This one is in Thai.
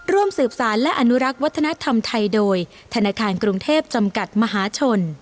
ร่วมสืบสารและอนุรักษ์วัฒนธรรมไทยโดยธนาคารกรุงเทพจำกัดมหาชน